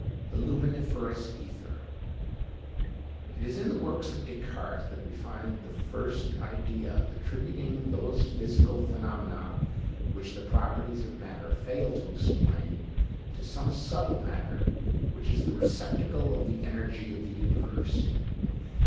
THE LUMINIFEROUS ETHER It is in the works of Descartes that we find the first idea of attributing those physical phenomena which the properties of matter fail to explain to some subtle matter which is the receptacle of the energy of the universe.